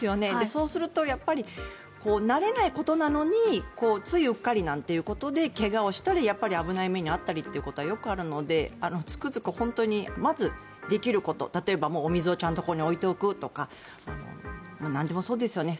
そうするとやっぱり慣れないことなのについうっかりということで怪我をしたり危ない目に遭ったりということはよくあるのでつくづく本当に、まずできること例えばもうお水をここにちゃんと置いておくとかなんでもそうですよね。